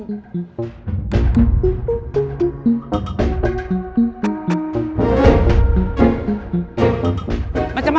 bisa ga luar biasa